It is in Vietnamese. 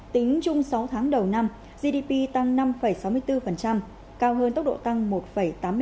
tính chung sáu tháng đầu năm gdp tăng năm sáu mươi bốn cao hơn tốc độ tăng một tám mươi hai của sáu tháng đầu năm hai nghìn hai mươi